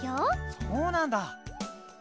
そうなんだ。